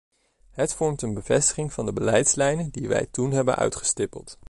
Het vormt een bevestiging van de beleidslijnen die wij toen hebben uitgestippeld.